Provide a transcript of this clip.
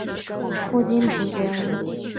父亲浦璇。